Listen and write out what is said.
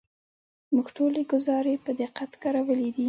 موږ ټولې ګزارې په دقت کارولې دي.